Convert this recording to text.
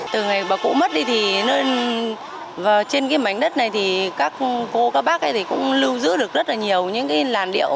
từ ngày bà cụ mất đi nên trên cái mảnh đất này thì các cô các bác cũng lưu giữ được rất nhiều những làn điệu